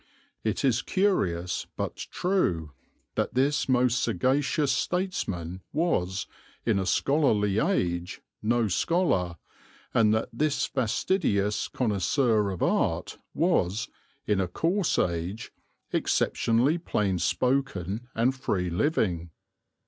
It is curious, but true, that this most sagacious statesman was, in a scholarly age, no scholar, and that this fastidious connoisseur of Art was, in a coarse age, exceptionally plain spoken and free living.